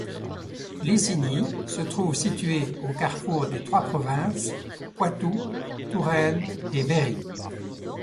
Lesigny se trouve situé au carrefour des trois Provinces Poitou, Touraine et Berry.